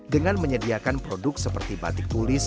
dengan menyediakan produk seperti batik tulis